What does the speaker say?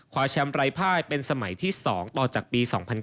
แชมป์ไร้ภายเป็นสมัยที่๒ต่อจากปี๒๐๒๐